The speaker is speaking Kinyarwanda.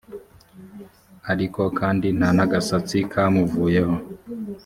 ariko kandi nta n’agasatsi kamuvuyeho